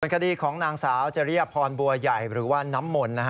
คดีของนางสาวจริยพรบัวใหญ่หรือว่าน้ำมนต์